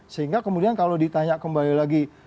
sehingga kemudian kalau ditanya kembali lagi